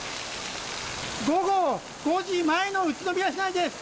午後５時前の宇都宮市内です。